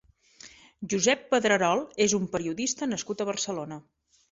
Josep Pedrerol és un periodista nascut a Barcelona.